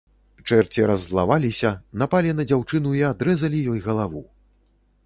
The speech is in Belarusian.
Чэрці раззлаваліся, напалі на дзяўчыну і адрэзалі ёй галаву.